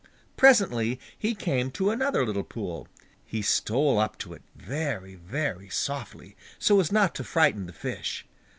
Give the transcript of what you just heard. Presently he came to another little pool. He stole up to it very, very softly, so as not to frighten the fish.